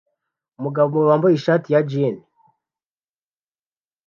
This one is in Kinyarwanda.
Umugabo wambaye ishati ya jean